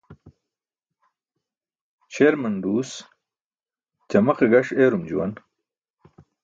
Śerman duus ćamaqe gaṣ eerum juwan.